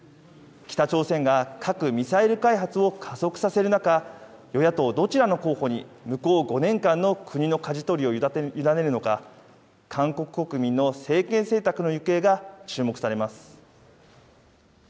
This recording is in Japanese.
北朝鮮が核・ミサイル開発を加速させる中、与野党どちらの候補に、向こう５年間の国のかじ取りを委ねるのか、韓国国民の政権選択の行方が注目されます。